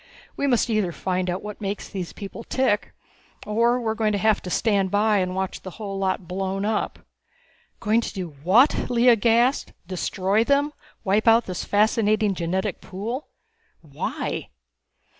We must either find out what makes these people tick or we are going to have to stand by and watch the whole lot blown up!" "Going to do what!" Lea gasped. "Destroy them? Wipe out this fascinating genetic pool? Why?